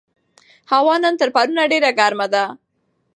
هوا نن تر پرون ډېره ګرمه ده.